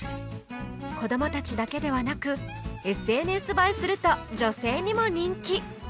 子どもたちだけではなくＳＮＳ映えすると女性にも人気！